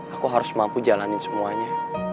aku harus mampu jalanin semuanya